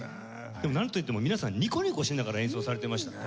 でもなんといっても皆さんニコニコしながら演奏されてましたね